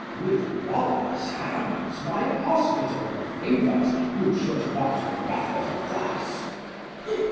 With robber's hands my hospitable favours You should not ruffle thus.